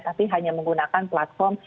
tapi hanya menggunakan platform